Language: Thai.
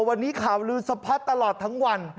วันนี้ข่าวลือสะพัดตลอดทั้งวัน